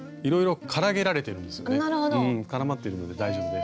絡まっているので大丈夫です。